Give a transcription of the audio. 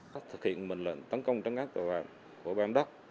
phát thực hiện bệnh lệnh tấn công chấn nắp tội phạm của bàm đốc